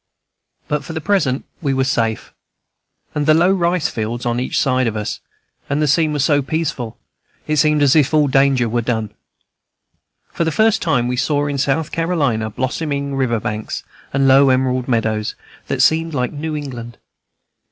But for the present we were safe, with the low rice fields on each side of us; and the scene was so peaceful, it seemed as if all danger were done. For the first time, we saw in South Carolina blossoming river banks and low emerald meadows, that seemed like New England.